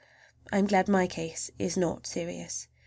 I am glad my case is not serious!